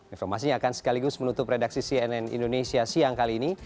informasinya akan sekaligus menutup redaksi cnn indonesia siang kali ini